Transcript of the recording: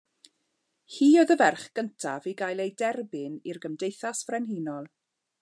Hi oedd y ferch gyntaf i gael ei derbyn i'r Gymdeithas Frenhinol.